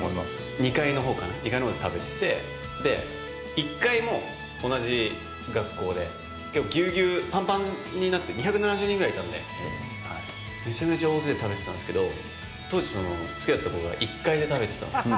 ２階のほうかな、２階のほうで食べてて１階も同じ学校で、ぎゅうぎゅう、ぱんぱんになって、２７０人ぐらいいたんで、めちゃめちゃ大勢で食べてたんですけど当時、好きだった子が１階で食べてたんですよ。